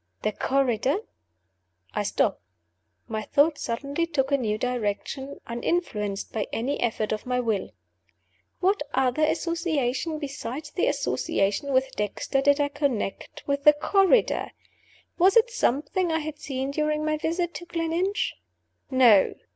The corridor? I stopped. My thoughts suddenly took a new direction, uninfluenced by any effort of my will. What other association besides the association with Dexter did I connect with the corridor? Was it something I had seen during my visit to Gleninch? No.